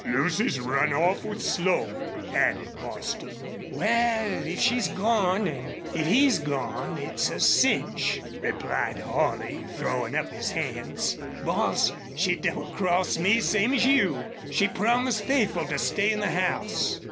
"Lucy's run off with Slone," added Bostil. "Wal, if she's gone, an' if he's gone, it's a cinch," replied Holley, throwing up his hands. "Boss, she double crossed me same as you! ... She promised faithful to stay in the house."